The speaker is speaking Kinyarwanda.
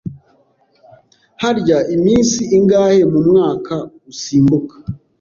Harya iminsi ingahe mu mwaka usimbuka?